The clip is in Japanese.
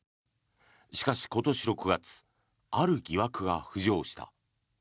しかし、今年６月ある疑惑が浮上した。